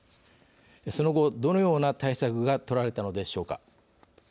その後、どのような対策が取られたのでしょうか。